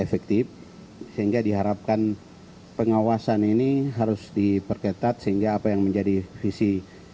efektif sehingga diharapkan pengawasan ini harus diperketat sehingga apa yang menjadi visi